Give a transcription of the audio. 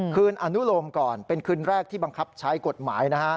คืนอนุโลมก่อนเป็นคืนแรกที่บังคับใช้กฎหมายนะฮะ